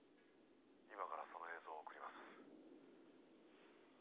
今からその映像を送ります